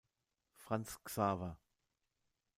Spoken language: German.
Franz Xaver.